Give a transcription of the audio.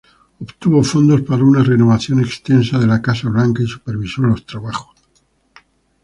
Obtuvo fondos para una renovación extensa de la Casa Blanca y supervisó los trabajos.